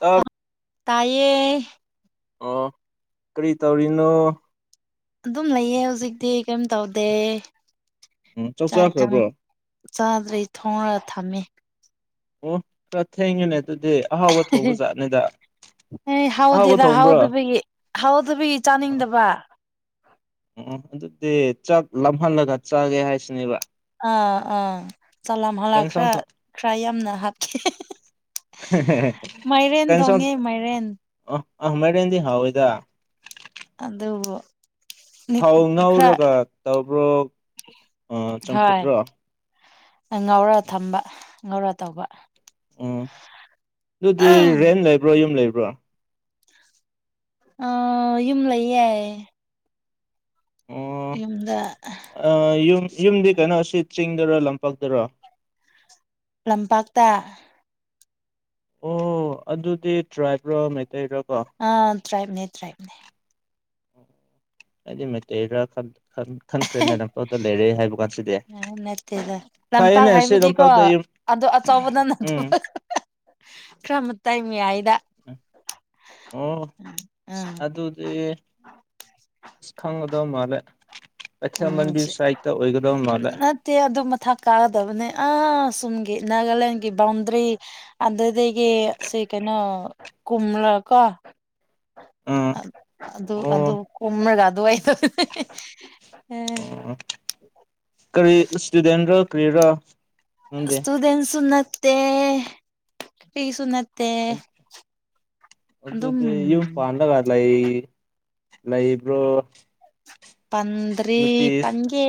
ꯇꯞ ꯇꯥꯏꯌꯦ ꯑꯣ ꯀꯔꯤ ꯇꯧꯔꯤꯅꯣ ꯑꯗꯨꯝ ꯂꯩꯌꯦ ꯍꯧꯖꯤꯛꯇꯤ ꯀꯩꯝ ꯇꯧꯗꯦ ꯎꯝ ꯆꯥꯛ ꯌꯦꯟꯁꯥꯡ ꯆꯥꯈ꯭ꯔꯕ꯭ꯔꯣ ꯆꯥꯗ꯭ꯔꯩ ꯊꯣꯡꯉꯒ ꯊꯝꯃꯦ ꯑꯣ ꯆꯠ ꯊꯦꯡꯉꯅꯦ ꯑꯗꯨꯗꯤ ꯑꯍꯥꯎꯕ ꯊꯣꯡꯕ ꯖꯥꯠꯅꯦꯗ ꯑꯍꯥꯎꯕ ꯊꯣꯡꯕ꯭ꯔꯣ ꯍꯥꯎꯗꯕꯤ ꯆꯥꯅꯤꯡꯗꯕ ꯑꯣ ꯑꯗꯨꯗꯤ ꯆꯥꯛ ꯂꯍꯜꯂꯒ ꯆꯥꯒꯦ ꯍꯥꯏꯁꯤꯅꯦꯕ ꯑꯥ ꯑꯥ ꯆꯥꯛ ꯀꯩ ꯂꯥꯝꯍꯥꯜꯂꯥꯒ ꯏꯟꯁꯥꯡ ꯈꯔ ꯊꯣꯡ ꯈꯔ ꯌꯥꯝꯅ ꯍꯥꯞꯀꯦ ꯃꯥꯏꯔꯦꯟ ꯀꯩ ꯏꯟꯁꯥꯡ ꯊꯣꯡꯉꯦ ꯃꯥꯏꯔꯦꯟ ꯑ ꯑ ꯃꯦꯗꯤ ꯍꯥꯎꯋꯤꯏꯗ ꯑꯗꯨꯕꯨ ꯅꯤꯠ ꯊꯥꯎ ꯈꯔ ꯉꯥꯎꯔꯒ ꯇꯧꯕ꯭ꯔꯣ ꯑ ꯍꯣꯏ ꯆꯝꯐꯨꯠꯔꯣ ꯉꯧꯔ ꯊꯝꯕ ꯉꯧꯔ ꯇꯧꯕ ꯎꯝ ꯑꯗꯨꯗꯤ ꯔꯦꯟ ꯂꯩꯕ꯭ꯔꯣ ꯌꯨꯝ ꯂꯩꯕ꯭ꯔꯣ ꯑ ꯌꯨꯝ ꯂꯩꯌꯦꯏ ꯌꯨꯝꯗ ꯑꯥ ꯌꯨꯝ ꯌꯨꯝꯗꯤ ꯀꯩꯅꯣꯁꯤ ꯆꯤꯡꯗꯔꯣ ꯂꯝꯄꯥꯛꯇꯔꯣ ꯂꯝꯄꯥꯛꯇ ꯑꯣ ꯑꯗꯨꯗꯤ ꯇ꯭ꯔꯥꯏꯞꯔꯣ ꯃꯩꯇꯩꯔꯣ ꯀꯣ ꯑꯥ ꯇ꯭ꯔꯥꯏꯞꯅꯦ ꯇ꯭ꯔꯥꯏꯞꯅꯦ ꯑꯗꯨꯗꯤ ꯃꯩꯇꯩꯔꯥ ꯈꯥꯟ ꯈꯥꯟ ꯈꯟꯈ꯭ꯔꯦꯅꯦ ꯂꯝꯄꯥꯛꯇ ꯂꯩꯔꯦ ꯍꯥꯏꯕ ꯀꯥꯟꯁꯤꯗ ꯅꯠꯇꯦꯗ ꯐꯩꯌꯦꯅꯦ ꯁꯤ ꯂꯝꯄꯥꯛꯇ ꯑꯗ ꯑꯆꯧꯕꯗ ꯅ ꯎꯝ ꯈꯔ ꯑꯃ ꯇꯥꯏ ꯃꯌꯥꯏꯗ ꯑꯣ ꯎꯝ ꯑꯗꯨꯗꯤ ꯈꯪꯒꯗꯕ ꯃꯥꯜꯂꯦ ꯀꯩꯊꯦꯜ ꯃꯟꯕꯤꯔ ꯁꯥꯏꯗꯠꯇ ꯑꯣꯏꯒꯗꯧ ꯃꯥꯜꯂꯦ ꯇꯦ ꯑꯗꯨ ꯃꯊꯥꯛ ꯀꯥꯒꯗꯕꯅꯦ ꯑꯥ ꯁꯣꯨꯝꯒꯤ ꯅꯥꯒꯥꯂꯦꯟꯒꯤ ꯕꯥꯎꯟꯗ꯭ꯔꯤ ꯑꯗꯨꯗꯗꯒꯤ ꯁꯤ ꯀꯩꯅꯣ ꯀꯨꯝꯂ ꯀꯣ ꯎꯝ ꯑꯗꯨ ꯑꯗꯨ ꯑꯣ ꯑꯗꯨ ꯀꯃ꯭ꯔꯒ ꯑꯗꯨ ꯑꯩꯗꯣ ꯑꯣ ꯀꯔꯤ ꯏꯁꯇꯨꯗꯦꯟ ꯀꯔꯤꯔꯥ ꯁꯇꯨꯗꯦꯟ ꯎꯅꯦ ꯐꯤꯁꯨꯅ ꯑꯗꯨꯝ ꯑꯗꯨꯗꯤ ꯐꯥꯟꯗ ꯂꯩ ꯂꯩꯕ꯭ꯔꯣ ꯄꯟꯗ꯭ꯔꯤ ꯅꯨꯄꯤ ꯄꯟꯒꯦ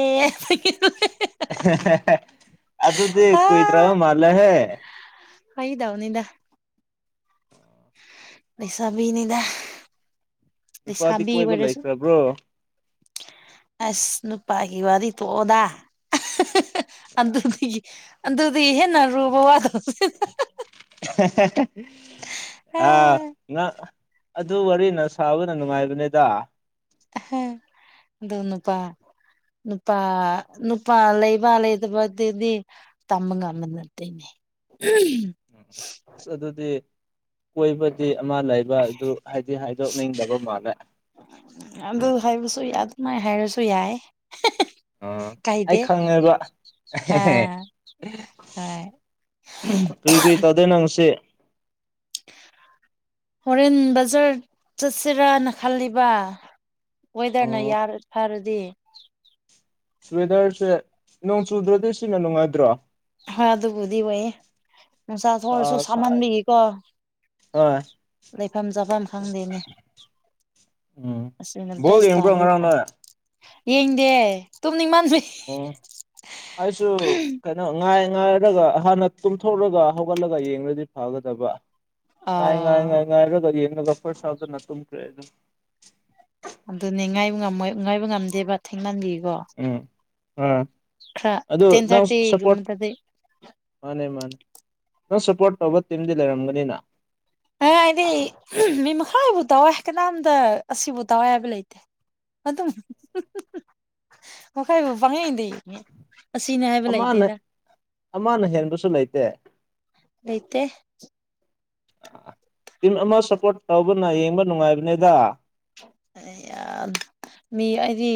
ꯑ ꯑꯗꯨꯗꯤ ꯀꯣꯏꯗꯔꯥ ꯃꯜꯂ ꯍꯦ ꯍꯣꯏꯗꯥꯎꯅꯤꯗ ꯂꯩꯁꯕꯤꯅꯤꯗꯥ ꯅꯨꯄꯥꯗꯤ ꯀꯣꯏꯕ ꯂꯩꯁꯕꯤꯕꯔꯁꯨꯣ ꯂꯩꯈ꯭ꯔꯕ꯭ꯔꯣ ꯑꯁ ꯅꯨꯄꯥꯒꯤ ꯋꯥꯔꯤ ꯇꯣꯛꯑꯣꯗꯥ ꯑꯗꯗꯤ ꯑꯟꯗꯗꯤ ꯍꯦꯟꯅ ꯔꯨꯕꯋꯥꯗ ꯑ ꯉ ꯑꯗꯨ ꯋꯥꯔꯤꯅ ꯁꯥꯕꯅ ꯅꯨꯡꯉꯥꯏꯕꯅꯤꯗ ꯑꯗꯨꯣꯅꯄꯥ ꯅꯨꯄꯥ ꯅꯨꯄꯥ ꯂꯩꯕ ꯂꯩꯇꯕ ꯑꯗꯨꯗꯤ ꯇꯝꯕ ꯉꯃꯅꯠꯇꯅꯦ ꯎꯝ ꯑꯁ ꯑꯗꯨꯗꯤ ꯀꯣꯏꯕꯗꯤ ꯑꯃ ꯂꯥꯏ ꯑꯗꯨ ꯍꯥꯏꯗꯤ ꯍꯥꯏꯗꯣꯛꯅꯤꯡꯗꯕ ꯃꯥꯅ ꯑꯗꯨ ꯍꯥꯏꯕꯁꯨ ꯌꯥ ꯑꯗꯨꯅꯥꯏ ꯍꯥꯏꯔꯁꯨ ꯌꯥꯏ ꯑ ꯑꯩ ꯀꯥꯏꯗꯦ ꯈꯪꯉꯦꯕ ꯑꯥ ꯍꯣꯏ ꯀꯨꯔꯤꯏ ꯀꯨꯔꯤꯏ ꯇꯧꯗꯣꯏ ꯅꯪꯉꯁꯦ ꯍꯣꯔꯦꯟ ꯕꯖꯥꯔ ꯆꯠꯁꯤꯔꯅ ꯈꯜꯂꯤꯕ ꯋꯦꯗꯔꯅ ꯑꯣ ꯌꯥꯔ ꯐꯔꯗꯤ ꯁ꯭ꯋꯦꯗꯔꯁꯦ ꯅꯣꯡ ꯆꯨꯗ꯭ꯔꯗꯤ ꯁꯤꯅ ꯅꯨꯡꯉꯥꯏꯗ꯭ꯔꯣ ꯍꯣꯏ ꯑꯗꯨꯕꯨꯗꯤ ꯑꯣꯏꯌꯦꯦ ꯅꯨꯡꯁꯥꯁꯨ ꯅꯨꯡꯁꯥ ꯑꯣꯏꯔꯁꯨ ꯁꯥꯏ ꯁꯥꯝꯍꯟꯕꯤꯏꯀꯣ ꯍꯣꯏ ꯂꯩꯐꯝ ꯆꯥꯐꯝ ꯈꯪꯗꯦꯅꯦ ꯎꯝ ꯑꯁꯤꯅ ꯕꯣꯜ ꯕꯦꯁ ꯌꯦꯡꯉꯕ꯭ꯔꯣ ꯇꯥꯕꯗꯤ ꯇꯥꯏ ꯉꯔꯥꯎꯅ ꯌꯦꯡꯗꯦ ꯇꯨꯝꯅꯤꯡ ꯃꯥꯟꯁꯨꯨꯏ ꯑꯣ ꯑꯁꯨ ꯅꯪ ꯉꯥꯏ ꯉꯥꯏꯔꯒ ꯍꯥꯟꯅ ꯇꯨꯝꯊꯣꯛꯂꯒ ꯍꯧꯒꯠꯂꯒ ꯌꯦꯡꯉꯗꯤ ꯐꯒꯗꯕ ꯉꯥꯏ ꯉꯥꯏ ꯑꯥ ꯉꯥꯏ ꯉꯥꯏꯕ ꯀꯅ ꯀꯄꯔ ꯁꯥꯎꯇ ꯅꯠꯇꯨ ꯀ ꯑꯗꯨ ꯑꯗꯨꯅꯦ ꯉꯥꯏꯕ ꯉꯝꯃꯣꯏ ꯉꯥꯏꯕ ꯉꯝꯗꯦꯕ ꯊꯦꯡꯅꯟꯕꯤꯀꯣ ꯎꯝ ꯑꯥ ꯑꯗꯨ ꯇꯦꯟ ꯅꯪ ꯁꯄꯣꯠ ꯊꯥꯔꯇꯤꯒꯨꯝꯕꯗꯗꯤ ꯃꯥꯅꯦ ꯃꯥꯅꯦ ꯅꯪ ꯁꯞꯄꯣꯔꯠ ꯇꯧꯕ ꯇꯤꯝꯗꯤ ꯂꯩꯔꯝꯒꯅꯤꯅ ꯑ ꯍꯥꯏꯗꯤ ꯃꯤ ꯃꯈꯥꯏꯕꯨ ꯇꯥꯎꯏ ꯀꯅꯥꯝꯗ ꯑꯁꯤꯕꯨ ꯇꯥꯎꯏ ꯍꯥꯏꯕ ꯂꯩꯇꯦ ꯑꯗꯨ ꯃꯈꯥꯏ ꯄꯉꯗꯤ ꯑꯁꯤꯅ ꯍꯥꯏꯕ ꯑꯃꯅ ꯂꯩꯗꯦꯗ ꯑꯃꯅ ꯍꯦꯟꯕꯁꯨ ꯂꯩꯇꯦ ꯂꯩꯩꯇ ꯇꯤꯝ ꯑꯃ ꯁꯞꯄꯣꯔꯠ ꯇꯧꯕꯅ ꯌꯦꯡꯕ ꯅꯨꯡꯉꯥꯏꯕꯅꯦꯗ ꯃꯤ ꯍꯥꯏꯗꯤ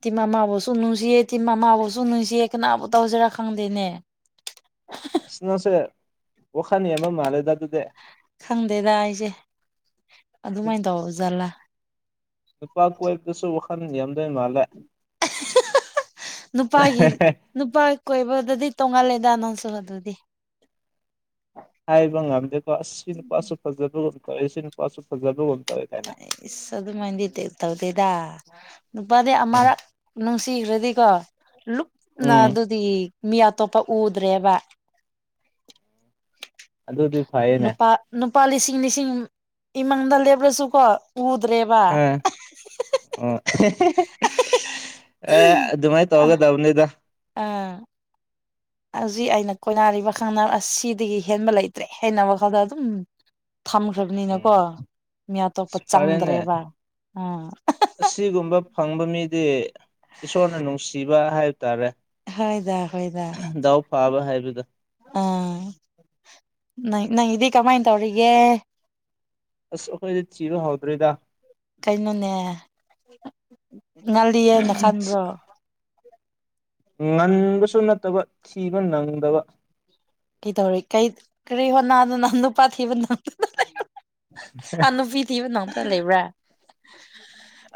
ꯇꯤ ꯃꯃꯥꯕꯨꯁꯨ ꯅꯨꯡꯁꯤꯌꯦꯦ ꯇꯤ ꯃꯃꯥꯕꯨꯁꯨ ꯨꯁꯤꯦ ꯀꯅꯥꯕꯨ ꯇꯧꯁꯤꯔꯥ ꯈꯪꯗꯦꯅꯦ ꯁꯅꯁꯦ ꯋꯥꯈꯥꯅꯤ ꯑꯃ ꯃꯥꯂꯦꯗ ꯇꯨꯗ ꯈꯪꯗꯦꯗ ꯑꯩꯁꯦ ꯑꯗꯨꯃꯥꯏꯅ ꯇꯧ ꯖꯠꯂꯥ ꯅꯨꯄꯥ ꯀꯣꯏꯕꯗꯁꯨ ꯋꯥꯈꯜ ꯌꯥꯝꯗꯣꯏ ꯃꯥꯜꯂꯦ ꯅꯨꯄꯥꯒꯤ ꯅꯨꯄꯥ ꯀꯣꯏꯕꯗꯗꯤ ꯇꯣꯡꯉꯥꯜꯂꯦꯗ ꯅꯪꯁꯨ ꯑꯗꯨꯗꯤ ꯍꯥꯏꯕ ꯉꯝꯗꯦꯀꯣ ꯁꯤ ꯅꯨꯄꯥꯁꯨ ꯐꯖꯕꯒꯨꯝ ꯇꯧꯋꯦ ꯁꯤꯅ ꯅꯨꯄꯥꯁꯨ ꯐꯖꯕꯒꯨꯝ ꯇꯧꯋꯦ ꯀꯥꯏꯅ ꯏꯁ ꯑꯗꯨ ꯃꯥꯏꯟꯗꯤ ꯇꯧꯗꯦꯗ ꯅꯨꯄꯥꯗꯤ ꯎꯝ ꯑꯃꯔꯛ ꯅꯨꯡꯁꯤꯈ꯭ꯔꯗꯤꯀꯣ ꯂꯨꯞꯅ ꯎꯝ ꯑꯗꯨꯗꯤ ꯃꯤ ꯑꯇꯣꯞꯄ ꯎꯗ꯭ꯔꯦꯕ ꯑꯗꯨꯗꯤ ꯐꯩꯌꯦꯅꯦ ꯅꯨꯄꯥ ꯅꯨꯄꯥ ꯂꯤꯁꯤꯡ ꯂꯤꯁꯤꯡ ꯏꯃꯥꯡꯗ ꯂꯦꯞꯂꯁꯨꯀꯣ ꯎꯗ꯭ꯔꯦꯕ ꯑꯥ ꯑꯣ ꯑꯦ ꯑꯗꯨꯃꯥꯏꯟ ꯑ ꯇꯧꯒꯗꯕꯅꯤꯗ ꯑꯥ ꯍꯧꯖꯤꯛ ꯑꯩꯅ ꯀꯣꯏꯅꯔꯤꯕ ꯈꯪꯅꯕ ꯑꯁꯤꯗꯒꯤ ꯍꯦꯟꯕ ꯂꯩꯇ꯭ꯔꯦ ꯍꯅ ꯋꯥꯈꯜꯗ ꯑꯗꯨꯝ ꯊꯝꯈ꯭ꯔꯕꯅꯤꯅꯀꯣ ꯎꯝ ꯃꯤ ꯑꯇꯣꯞꯄ ꯐꯔꯦꯅꯦ ꯆꯪꯗ꯭ꯔꯦꯕ ꯎꯥ ꯑꯁꯤꯒꯨꯝꯕ ꯐꯪꯕ ꯃꯤꯗꯤ ꯏꯁꯣꯔꯅ ꯅꯨꯡꯁꯤꯕ ꯍꯥꯏꯕ ꯇꯥꯔꯦ ꯍꯣꯏꯗ ꯗꯥꯎ ꯐꯥꯕ ꯍꯥꯏꯕꯗ ꯑ ꯅ ꯅꯪꯒꯤꯗꯤ ꯀꯃꯥꯏꯅ ꯇꯧꯔꯤꯒꯦ ꯑꯁ ꯑꯩꯈꯣꯏꯗꯤ ꯊꯤꯕ ꯍꯧꯗ꯭ꯔꯦꯗ ꯀꯩꯅꯣꯅꯦ ꯉꯜꯂꯤꯑꯅ ꯈꯟꯕ꯭ꯔꯣ ꯉꯟꯕꯁꯨ ꯅꯠꯇꯕ ꯊꯤꯕ ꯅꯪꯗꯕ ꯀꯤ ꯇꯧꯔꯤ ꯀꯩ ꯀꯔꯤ ꯍꯣꯅꯥꯗ ꯅꯪ ꯅꯨꯄꯥ ꯊꯤꯕ ꯉꯝꯗꯩꯅꯣ ꯑ ꯅꯨꯄꯤ ꯊꯤꯕ ꯉꯝꯇ ꯂꯩꯕ꯭ꯔꯥ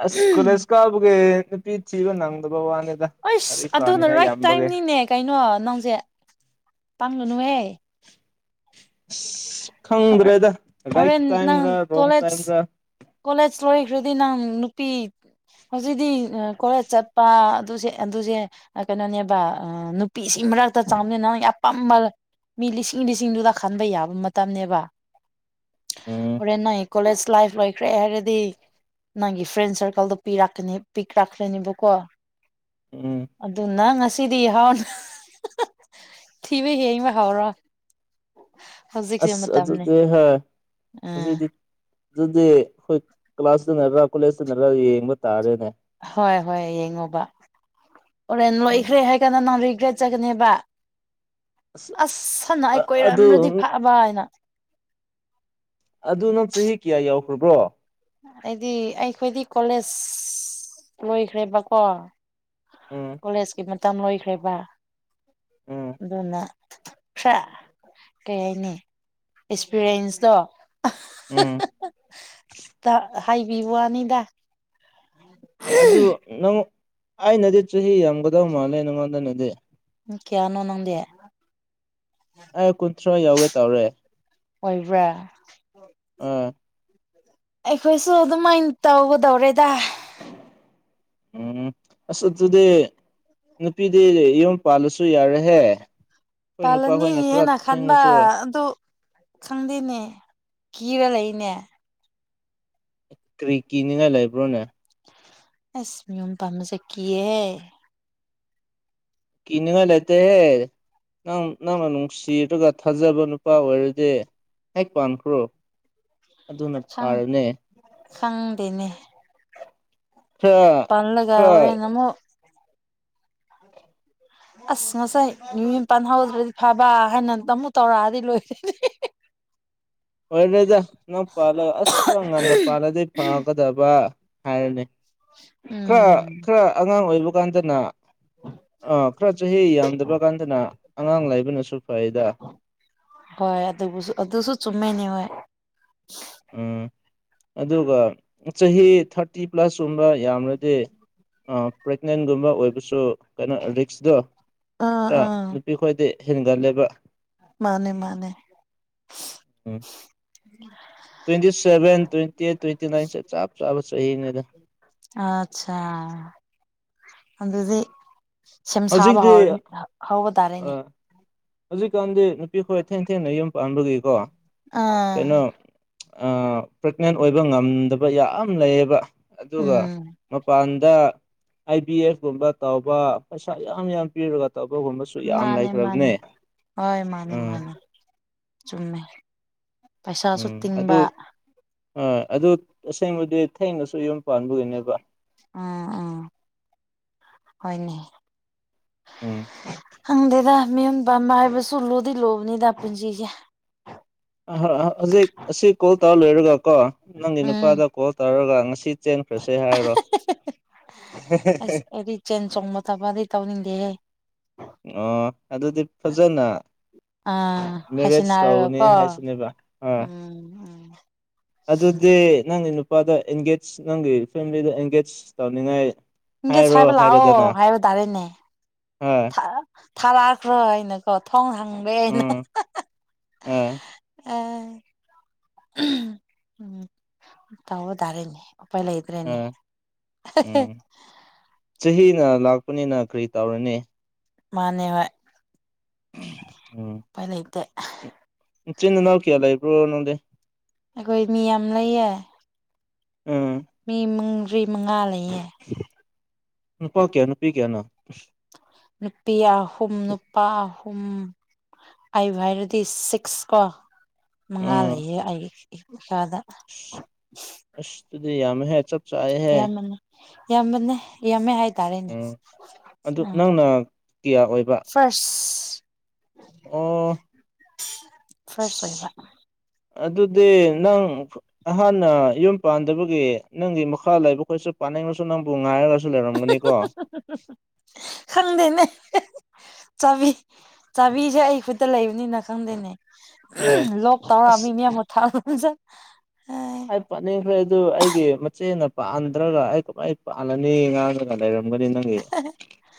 ꯑꯁ ꯀꯣꯔꯦꯁ ꯀꯥꯕꯒꯦ ꯅꯨꯄꯤ ꯊꯤꯕ ꯅꯪꯗꯕ ꯋꯅꯦꯗ ꯑꯁ ꯑꯗꯨꯅ ꯔꯥꯏꯠ ꯇꯥꯏꯝꯅꯤꯅꯦ ꯀꯩꯅꯣ ꯅꯪꯁꯦ ꯄꯪꯒꯅꯨꯍꯦ ꯏꯁ ꯈꯪꯗ꯭ꯔꯦꯗ ꯔꯥꯏꯠ ꯍꯣꯔꯦꯟ ꯅꯪ ꯇꯥꯏꯝꯔ ꯔꯣꯡ ꯀꯣꯂꯦꯖ ꯇꯥꯏꯝꯔ ꯀꯣꯂꯦꯖ ꯂꯣꯏꯈ꯭ꯔꯗꯤ ꯅꯪ ꯅꯨꯄꯤ ꯍꯧꯖꯤꯛꯇꯤ ꯀꯣꯂꯦꯖ ꯆꯠꯄ ꯑꯗꯨꯖꯦ ꯑꯗꯨꯖꯦ ꯀꯩꯅꯣꯅꯦꯕ ꯅꯨꯄꯤꯁꯤ ꯃꯔꯛꯇ ꯆꯥꯎꯅꯤꯅ ꯅꯪ ꯑꯄꯥꯝꯕ ꯃꯤ ꯂꯤꯁꯤꯡ ꯂꯤꯁꯤꯡꯗꯨꯗ ꯈꯟꯕ ꯌꯥꯕ ꯃꯇꯝꯅꯤꯕ ꯎꯝ ꯑꯣꯔꯦꯟ ꯅ ꯀꯣꯂꯖ ꯂꯥꯏꯐ ꯂ ꯈ꯭ꯔꯦ ꯍꯥꯏꯔꯗꯤ ꯅꯪꯒꯤ ꯐ꯭ꯔꯦꯟ ꯁꯔꯀꯜꯗꯣ ꯄꯤꯔꯛ ꯄꯤꯛꯂꯛꯂꯅꯤꯕꯀꯣ ꯎꯝ ꯑꯗꯨꯅ ꯉꯁꯤꯗꯤꯍꯥꯎꯅ ꯊꯤꯕ ꯍꯌꯦꯏꯕ ꯍꯥꯎꯔꯣ ꯑꯁ ꯑꯗꯨꯗꯤ ꯍꯣꯏ ꯎꯝ ꯑꯗꯨꯗꯤ ꯑꯗꯨꯗꯤ ꯑꯩꯈꯣꯏ ꯀ꯭ꯂꯥꯁꯇꯅꯔꯥ ꯀꯣꯂꯦꯖꯇꯅꯔ ꯌꯦꯡꯕ ꯇꯥꯔꯦꯅꯦ ꯍꯣꯏ ꯍꯣꯏ ꯌꯦꯡꯉꯣꯕ ꯍꯣꯔꯦꯟ ꯎꯝ ꯂꯣꯏꯈ꯭ꯔꯦ ꯍꯥꯏ ꯀꯥꯟꯗ ꯅꯪ ꯔꯤꯒ꯭ꯔꯦꯠ ꯆꯠꯒꯅꯦꯕ ꯑꯁ ꯁꯅ ꯑꯩ ꯑꯗꯨ ꯀꯣꯏꯔꯝꯝꯕ꯭ꯔꯗꯤ ꯐꯕ ꯍꯥꯏꯅ ꯑꯗꯨ ꯅꯪ ꯆꯍꯤ ꯀꯌꯥ ꯌꯥꯎꯈ꯭ꯔꯕ꯭ꯔꯣ ꯑꯩꯗꯤ ꯑꯩꯈꯣꯏꯗꯤ ꯀꯣꯂꯦꯖ ꯂꯣꯏꯈ꯭ꯔꯦꯕꯀꯣ ꯎꯝ ꯀꯣꯂꯦꯖꯀꯤ ꯃꯇꯝ ꯂꯣꯏꯈ꯭ꯔꯦꯕ ꯎꯝ ꯑꯗꯨꯅ ꯈꯔ ꯀꯩ ꯍꯥꯏꯅꯤ ꯑꯦꯛꯁꯄꯤꯔꯤꯌꯦꯟꯁꯇꯣ ꯎꯝ ꯍꯥꯏꯕꯤꯕ ꯋꯅꯤꯗ ꯎꯝ ꯑꯗꯨ ꯅꯪ ꯑꯩꯅꯗꯤ ꯆꯍꯤ ꯌꯥꯝꯒꯗꯧ ꯃꯥꯜꯂꯦ ꯅꯪꯉꯣꯟꯗꯅꯗꯤ ꯎ ꯀꯌꯥꯅꯣ ꯅꯪꯗꯦ ꯑꯩ ꯀꯨꯟꯊ꯭ꯔꯥ ꯌꯧꯒꯦ ꯇꯧꯔꯦ ꯑꯣꯏꯕ꯭ꯔꯥ ꯑꯥ ꯑꯩꯈꯣꯏꯁꯨ ꯑꯗꯨꯃꯥꯏꯅ ꯇꯧꯒꯗꯧꯔꯦꯗ ꯎꯝ ꯑꯁ ꯑꯗꯨꯗꯤ ꯅꯨꯄꯤꯗꯤ ꯌꯨꯝ ꯄꯜꯂꯁꯨ ꯌꯥꯔꯦꯍꯦ ꯄꯥꯜꯂꯅꯤ ꯅꯨꯄꯥꯈꯣꯏꯅ ꯈꯔ ꯍꯥꯢꯅ ꯈꯟꯕ ꯊꯦꯡꯂꯁꯨ ꯑꯗꯨ ꯈꯪꯗꯦꯅꯦ ꯀꯤꯔ ꯂꯩꯅꯦ ꯀꯔꯤ ꯀꯤꯅꯤꯡꯉꯥꯏ ꯂꯩꯕ꯭ꯔꯣꯅꯦ ꯑꯁ ꯌꯨꯝ ꯄꯥꯟꯕꯁꯤ ꯀꯤꯌꯦ ꯀꯤꯅꯤꯡꯉꯥꯢ ꯂꯩꯇꯦ ꯍꯦ ꯅꯪ ꯅꯪꯅ ꯅꯨꯡꯁꯤ ꯑꯗꯨꯒ ꯊꯥꯖꯕ ꯅꯨꯄꯥ ꯑꯣꯏꯔꯗꯤ ꯍꯦꯛ ꯄꯥꯟꯈ꯭ꯔꯣ ꯑꯗꯨꯅ ꯁꯪ ꯐꯥꯔꯅꯦ ꯈꯪꯗꯦꯅꯦ ꯈꯔ ꯄꯜꯂꯒ ꯈꯔ ꯍꯣꯔꯦꯟ ꯑꯃꯨꯛ ꯎ [unintelligible] ꯑꯁ ꯉꯁꯥꯏ ꯃꯤ ꯃꯌꯨꯝꯄꯥꯟ ꯍꯧꯗ꯭ꯔꯗꯤ ꯐꯕ ꯍꯥꯏꯅ ꯇꯥꯃꯨꯛ ꯇꯧꯔꯛꯑꯗꯤ ꯂꯣꯏꯔꯦ [unintelligible] ꯑꯣꯢꯔꯣꯢꯗ ꯅꯪ ꯄꯥꯜꯂꯒ ꯑꯁ ꯈꯔ ꯉꯟꯅ ꯄꯥꯜꯂꯗꯤ ꯐꯒꯗꯕ ꯍꯥꯏꯔꯅꯤ ꯈꯔ ꯎꯝ ꯈꯔ ꯑꯉꯥꯡ ꯑꯣꯏꯕ ꯀꯥꯟꯗꯅ ꯑꯥ ꯈꯔ ꯆꯍꯤ ꯌꯥꯝꯗꯕ ꯀꯥꯟꯗꯅ ꯑꯉꯥꯡ ꯂꯕꯅꯁꯨ ꯐꯩꯗ ꯍꯣꯏ ꯑꯗꯨꯕꯨꯁꯨ ꯑꯗꯨꯁꯨ ꯆꯨꯝꯃꯦꯅꯦ ꯍꯣꯏ ꯎꯝ ꯑꯗꯨꯒ ꯆꯍꯤ ꯊꯥꯔꯇꯤ ꯄ꯭ꯂꯁꯀꯨꯝꯕ ꯌꯥꯝꯂꯗꯤ ꯄ꯭ꯔꯦꯒꯅꯦꯟꯒꯨꯝꯕ ꯑꯣꯏꯕꯁꯨ ꯀꯩꯅꯣ ꯔꯤꯛꯁꯇꯣ ꯑꯥ ꯑꯥ ꯈꯔ ꯈꯣꯏꯗꯤ ꯍꯦꯟꯒꯜꯂꯦꯕ ꯃꯥꯅꯦ ꯃꯥꯅꯦ um twenty seven twenty eight twenty ꯅꯥꯏꯟꯁꯦ ꯆꯞ ꯆꯥꯕ ꯆꯍꯤꯅꯦꯗ ꯑꯆꯥ ꯑꯗꯨꯗꯤ ꯁꯦꯝ ꯁꯥꯕ ꯍꯧꯖꯤꯛꯇꯤ ꯍꯧꯔꯅꯤ ꯍꯧꯕ ꯇꯥꯔꯦꯅꯦ ꯑꯥ ꯍꯧꯖꯤꯛꯀꯥꯟꯗꯤ ꯅꯨꯄꯤ ꯈꯣꯏ ꯊꯦꯡ ꯊꯦꯡꯅ ꯌꯨꯝ ꯄꯥꯟꯕꯒꯤꯀꯣ ꯑꯥ ꯀꯩꯅꯣ ꯄ꯭ꯔꯦꯒꯅꯦꯟ ꯑꯣꯏꯕ ꯉꯝꯗꯕ ꯌꯥꯝ ꯂꯩꯌꯦꯕ ꯑꯗꯨꯒ ꯎꯝ ꯃꯄꯥꯟꯗ ꯑꯥꯏ ꯕꯤ ꯑꯦꯐꯒꯨꯝꯕ ꯇꯥꯎꯕ ꯄꯩꯁꯥ ꯌꯥꯝ ꯌꯥꯝ ꯄꯤꯔꯒ ꯇꯧꯕꯒꯨꯝꯕꯁꯨ ꯌꯥꯝ ꯃꯥꯅꯦ ꯃꯥꯅꯦ ꯂꯩꯈ꯭ꯔꯕꯅꯦ ꯍꯣꯏ ꯃꯥꯅꯦ ꯎꯝ ꯃꯥꯅꯦ ꯆꯨꯝꯃꯦ ꯄꯩꯁꯥꯁꯨ ꯇꯤꯡꯕ ꯑ ꯑꯗꯨ ꯇꯁꯦꯡꯕꯗꯤ ꯊꯦꯡꯅꯁꯨ ꯌꯨꯝ ꯄꯥꯟꯕꯒꯤꯅꯦꯕ ꯎꯝ ꯎꯝ ꯍꯣꯢꯅꯦ ꯎꯝ ꯈꯪꯗꯦꯗ ꯃꯤꯌꯨꯝ ꯄꯥꯟꯕ ꯍꯥꯢꯕꯁꯨ ꯂꯨꯗꯤ ꯂꯨꯕꯅꯤꯗ ꯄꯨꯟꯁꯤꯁꯦ ꯍꯧꯖꯤꯛ ꯑꯁꯤ ꯀꯣꯜ ꯇꯧꯔ ꯂꯣꯏꯔꯒ ꯀꯣ ꯅꯪꯒꯤ ꯎꯝ ꯅꯨꯄꯥꯗ ꯀꯣꯜ ꯇꯧꯔꯒ ꯉꯁꯤ ꯆꯦꯟꯈ꯭ꯔꯁꯦ ꯍꯥꯏꯔꯣ ꯑꯁ ꯑꯩꯗꯤ ꯆꯦꯟ ꯆꯣꯡꯕ ꯊꯕꯛꯇꯤ ꯇꯧꯅꯤꯡꯗꯦꯍꯦ ꯑꯣ ꯑꯗꯨꯗꯤ ꯐꯖꯅ ꯑꯥ ꯃꯦꯔꯦꯖ ꯇꯧꯅꯤ ꯍꯥꯏꯁꯤꯟꯅꯔꯒꯀꯣ ꯍꯥꯏꯁꯤꯅꯦꯕ ꯑꯥ ꯎꯝ ꯑꯗꯨꯗꯤ ꯅꯪꯒꯤ ꯅꯨꯄꯥꯗ ꯑꯦꯡꯒꯦꯖ ꯅꯪꯒꯤ ꯐꯦꯃꯤꯂꯤꯗ ꯑꯦꯡꯒꯦꯖ ꯇꯧꯅꯤꯡꯉꯥꯢ ꯏꯒꯦꯁ ꯍꯥꯏꯕ ꯂꯥꯛꯑꯣ ꯍꯥꯏꯕ ꯇꯔꯦꯅꯦ ꯍ ꯊꯥꯔꯛꯈ꯭ꯔꯣ ꯍꯥꯏꯅꯀꯣ ꯊꯣꯡꯔꯦꯅ ꯍꯥꯏꯅ ꯎꯝ ꯑ ꯑꯥ ꯎꯝ ꯇꯧꯕ ꯇꯔꯦꯅꯦ ꯎꯄꯥꯢ ꯑ ꯦꯅꯦ [inaudible] ꯎꯝ ꯆꯍꯤꯅ ꯂꯥꯛꯄꯅꯤꯅ ꯀꯔꯤ ꯇꯧꯔꯨꯅꯤ ꯃꯥꯅꯦ ꯍꯣꯢ ꯎꯝ ꯎꯄꯥꯢ ꯂꯩꯇꯦ ꯅꯆꯤꯟ ꯅꯅꯥꯎ ꯀꯌꯥ ꯂꯩꯕ꯭ꯔꯣ ꯅꯪꯗꯤ ꯑꯩꯈꯣꯏ ꯃꯤ ꯌꯥꯝ ꯂꯩꯌꯦ ꯎꯝ ꯃꯤ ꯃꯔꯤ ꯃꯉꯥ ꯂꯩꯌꯦ ꯅꯨꯄꯥ ꯀꯌꯥ ꯅꯨꯄꯤ ꯀꯌꯥꯅ‌ꯣ ꯅꯨꯄꯤ ꯑꯍꯨꯝ ꯅꯨꯄꯥ ꯑꯍꯨꯝ ꯑꯩꯕꯨ ꯍꯥꯏꯔꯗꯤ ꯁꯤꯛꯁ ꯀꯣ ꯃꯉꯥ ꯎꯝ ꯂꯩꯌꯦ ꯑꯩꯒꯤ ꯏꯁꯥꯗ ꯑꯁ‌ ꯑꯗꯨꯗꯤ ꯌꯥꯝꯃ‌ꯦꯍ‌ꯦ ꯌꯥꯝꯕꯅꯤ ꯌꯥꯝꯕꯅꯦ ꯌꯥꯝꯃ‌ꯦ ꯍꯥꯏ ꯎꯝ ꯑꯗꯨ ꯅꯪꯅ ꯀꯌꯥ ꯑꯣꯏꯕ ꯐꯁ ꯑꯣ ꯐꯥꯔꯁ ꯑꯣꯏꯕ ꯑꯁ ꯑꯗꯨꯗꯤ ꯅꯪ ꯑꯍꯥꯟꯅ ꯌꯨꯝ ꯄꯥꯟꯗꯕꯒꯤ ꯅꯪꯒꯤ ꯃꯈꯥ ꯂꯩꯕ ꯈꯣꯏꯁꯨ ꯄꯥꯟꯅꯤꯡ ꯁꯨ ꯅꯪꯕꯨ ꯉꯥꯏꯔꯒꯁꯨ ꯂꯩꯔꯝꯒꯅꯤ ꯀꯣ [unintelligible] ꯈꯪꯗꯦꯅꯦ ꯆꯥꯕꯤ ꯆꯥꯕꯤꯁꯦ ꯑꯩ ꯈꯨꯠꯇ ꯂꯩꯕꯅꯤꯅ ꯈꯪꯗꯦꯅꯦ ꯑꯦ ꯑꯁ [unintelligible] ꯄꯥꯟꯅꯤꯡꯈ꯭ꯔꯦ ꯑꯗꯨ ꯑꯩꯒꯤ ꯃꯆꯦꯅ ꯄꯥꯟꯗ꯭ꯔꯒ ꯑꯩ ꯀꯃꯥꯏ ꯄꯥꯜꯂꯅꯤ ꯀꯥꯏꯅ ꯂꯩꯔꯝꯒꯅꯤ ꯅꯪꯒꯤ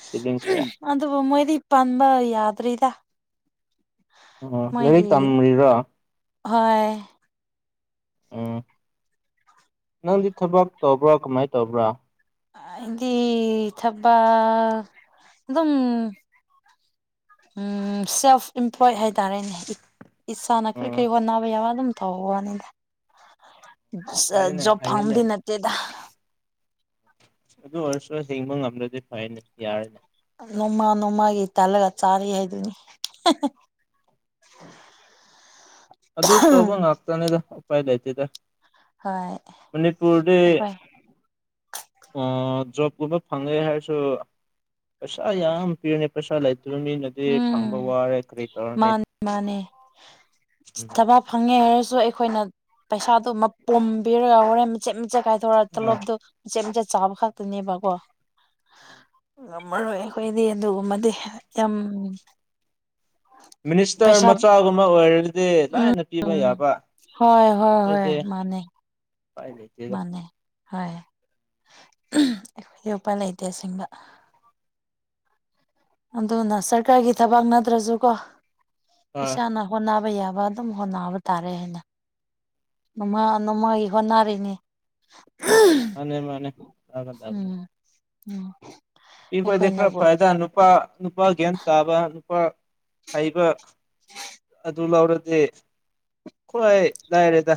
ꯁꯤꯕꯂꯤꯡ ꯃꯌꯥꯝ ꯑꯗꯨꯕꯨ ꯃꯣꯏꯗꯤ ꯄꯥꯟꯕ ꯌꯥꯗ꯭ꯔꯤꯗ ꯑꯣ ꯂꯥꯏꯔꯤꯛ ꯃꯣꯏꯒꯤ ꯇꯝꯔꯤꯔꯣ ꯍꯣꯏ ꯎꯝ ꯅꯪꯗꯤ ꯊꯕꯛ ꯇꯧꯕ꯭ꯔꯣ ꯀꯃꯥꯏ ꯇꯧꯕ꯭ꯔꯥ ꯍꯥꯏꯗꯤ ꯊꯕꯛ ꯑꯗꯨꯝ ꯎꯝ ꯁꯦꯜꯐ ꯏꯝꯄ꯭ꯂꯣꯏ ꯍꯥꯏꯇꯥꯔꯦꯅꯦ ꯏꯁꯥꯅ ꯀꯔꯤ ꯎꯝ ꯀꯔꯤ ꯍꯣꯠꯅꯕ ꯌꯥꯕ ꯑꯗꯨꯝ ꯇꯧꯕꯅꯤꯗ ꯐꯩꯌꯦꯅꯦ ꯖꯣꯕ ꯐꯩꯌꯦꯅꯦ ꯐꯪꯕꯗꯤ ꯅꯠꯇꯦꯗ ꯑꯗꯨ ꯑꯣꯏꯔꯁꯨ ꯍꯤꯡꯕ ꯉꯝꯃꯗꯤ ꯐꯩꯅꯦ ꯌꯥꯔꯦꯅꯦ ꯅꯣꯡꯃꯥ ꯅꯣꯡꯃꯥꯒꯤ ꯇꯜꯂꯒ ꯆꯥꯔꯤ ꯍꯥꯏꯗꯨꯅꯤ [inaudible] ꯑꯗꯨ ꯇꯧꯕ ꯉꯥꯛꯇꯅꯦꯗ ꯎꯄꯥꯏ ꯂꯩꯇ‌ꯦꯗ ꯍꯣꯏ ꯃꯅꯤꯄꯨꯔꯗꯤ ꯑꯩꯈꯣꯏ ꯑꯣ ꯖꯣꯕꯒꯨꯝꯕ ꯐꯪꯉꯦ ꯍꯥꯏꯔꯁꯨ ꯄꯩꯁꯥ ꯌꯥꯝ ꯄꯤꯕꯅ‌ꯦ ꯄꯩꯁꯥ ꯂꯩꯇꯕ ꯃꯤꯅꯗꯤ ꯐꯪꯕ ꯎꯝ ꯋꯥꯔꯦ ꯀꯔꯤ ꯇꯧꯔꯅꯤ ꯃꯥꯅꯦ ꯃꯥꯅꯦ ꯎꯝ ꯊꯕꯛ ꯐꯪꯉꯦ ꯍꯥꯏꯔꯁꯨ ꯑꯩꯈꯣꯏꯅ ꯄꯩꯁꯥꯗꯨ ꯃꯄꯨꯝ ꯄꯤꯔꯒ ꯍꯣꯔꯦꯟ ꯃꯆꯦꯠ ꯃꯆꯦꯠ ꯀꯥꯏ ꯇꯧꯔ ꯑꯥ ꯇꯣꯂꯣꯞꯇꯣ ꯃꯆꯦꯠ ꯃꯆꯦꯠ ꯆꯥꯕ ꯈꯛꯇꯅꯦꯕꯀꯣ ꯉꯝꯃꯔꯣꯏ ꯑꯩꯈꯣꯏꯗꯤ ꯑꯗꯨꯒꯨꯝꯕꯗꯤ ꯌꯥꯝ ꯃꯤꯅꯤꯁꯇꯔ ꯄꯩꯁꯥ ꯃꯆꯥꯒꯨꯝꯕ ꯑꯣꯏꯔꯗꯤ ꯗꯤ ꯎꯝ ꯂꯥꯏꯅ ꯄꯤꯕ ꯎꯝ ꯌꯥꯕ ꯍꯣꯏ ꯍꯣꯏ ꯍꯣꯏ ꯑꯩꯈ‌ꯣꯏꯗꯤ ꯃꯥꯅꯦ ꯄꯥꯏ ꯃꯥꯅꯦ ꯍꯣꯏ ꯑꯩꯈꯣꯏꯗꯤ ꯎꯄꯥꯏ ꯂꯩꯇꯦ ꯑꯁ‌ꯦꯡꯕ ꯑꯗꯨꯅ ꯁꯔꯀꯥꯔꯒꯤ ꯊꯕꯛ ꯅꯠꯇ꯭ꯔꯁꯨ ꯀꯣ ꯑꯥ ꯏꯁꯥꯅ ꯍꯣꯠꯅꯕ ꯌꯥꯕ ꯑꯗꯨꯝ ꯍꯣꯠꯅꯕ ꯇꯥꯔꯦ ꯍꯥꯏꯅ ꯥꯅ‌ꯣꯡꯃꯥ ꯅ‌ꯣꯡꯃꯥꯒꯤ ꯍ‌ꯣꯠꯅꯔꯤꯅ‌ꯦ ꯃꯥꯅꯦ ꯃꯥꯅꯦ ꯍ‌ꯣꯠꯅꯒꯗꯕꯅ‌ꯦ ꯎꯝ [unintelligible] ꯑꯩꯈꯣꯏꯗꯤ ꯈꯔ ꯑꯩꯈꯣꯏꯅꯕꯨ ꯐꯩꯌ‌ꯦꯗ ꯅꯨꯄꯥ ꯅꯨꯄꯥ ꯒ꯭ꯌꯥꯟ ꯇꯥꯕ ꯅꯨꯄꯥ ꯍꯩꯕ ꯑꯗꯨ ꯂꯧꯔꯗꯤ ꯈꯋꯥꯏ ꯂꯥꯏꯔꯦꯗ